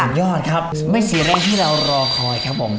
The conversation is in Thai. สุดยอดครับไม่เสียแรงที่เรารอคอยครับผม